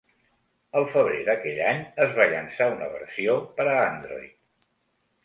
El febrer d"aquell any es va llançar una versió per a Android.